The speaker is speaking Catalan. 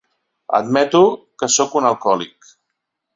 Admeto que sóc un alcohòlic.